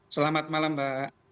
selamat malam mbak